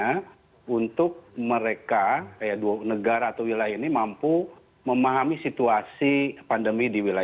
karena untuk mereka negara atau wilayah ini mampu memahami situasi